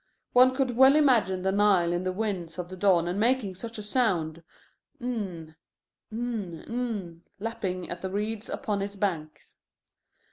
One could well imagine the Nile in the winds of the dawn making such a sound: "NN, N, N," lapping at the reeds upon its banks.